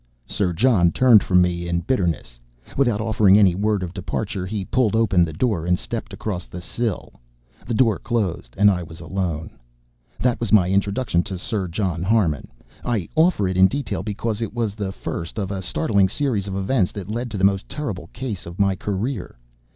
Sir John turned from me in bitterness. Without offering any word of departure, he pulled open the door and stepped across the sill. The door closed, and I was alone. That was my introduction to Sir John Harmon. I offer it in detail because it was the first of a startling series of events that led to the most terrible case of my career.